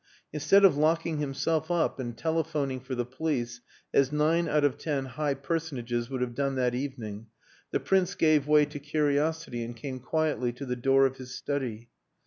Instead of locking himself up and telephoning for the police, as nine out of ten high personages would have done that evening, the Prince gave way to curiosity and came quietly to the door of his study.